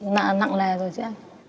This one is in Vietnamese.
nặng nề rồi chứ anh